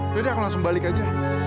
udah deh aku langsung balik aja